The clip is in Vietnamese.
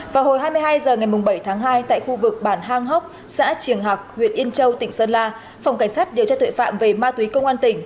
vào hồi hai mươi hai h ngày bảy tháng hai tại khu vực bản hang hốc xã triềng hạc huyện yên châu tỉnh sơn la phòng cảnh sát điều tra tuệ phạm về ma túy công an tỉnh